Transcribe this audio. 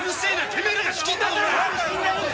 てめえらが仕切んなコラ！